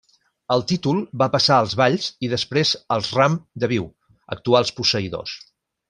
El títol va passar als Valls i després als Ram de Viu, actuals posseïdors.